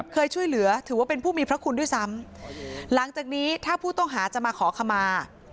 เคยช่วยเหลือถือว่าเป็นผู้มีพระคุณด้วยซ้ำหลังจากนี้ถ้าผู้ต้องหาจะมาขอขมา